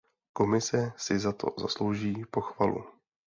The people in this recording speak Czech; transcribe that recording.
Komise si za to zaslouží pochvalu.